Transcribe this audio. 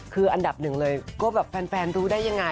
คืออันดับหนึ่งเลยก็แบบแฟนรู้ได้ยังไง